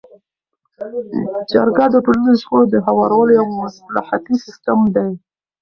جرګه د ټولنیزو شخړو د هوارولو یو مصلحتي سیستم دی.